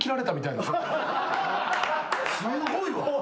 すごいわ。